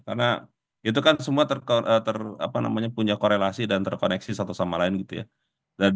karena itu kan semua punya korelasi dan terkoneksi satu sama lain gitu ya